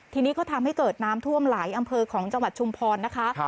ทีนี้ก็ทำให้เกิดน้ำท่วมหลายอำเภอของจังหวัดชุมพรนะคะ